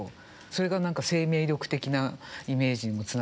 それが何か生命力的なイメージにもつながるし。